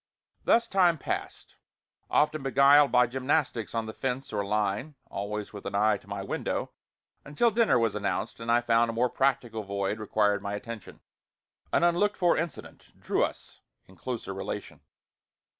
Thus time passed, often beguiled by gymnastics on the fence or line (always with an eye to my window) until dinner was announced and I found a more practical void required my attention. An unlooked for incident drew us in closer relation.